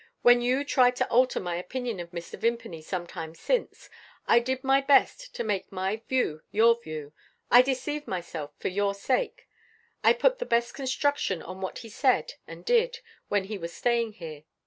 When you tried to alter my opinion of Mr. Vimpany some time since, I did my best to make my view your view. I deceived myself, for your sake; I put the best construction on what he said and did, when he was staying here.